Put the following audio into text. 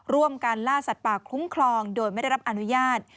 ร่วมกันล่าสัตว์ป่าคุ้มครองโดยไม่ได้รับอนุญาต